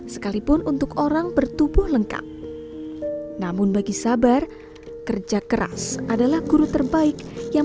sekalipun untuk orang bertubuh lengkap namun bagi sabar kerja keras adalah guru terbaik yang